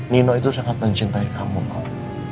nino itu sangat mencintai kamu kok